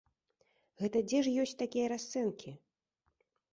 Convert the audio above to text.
Гэта дзе ж ёсць такія расцэнкі?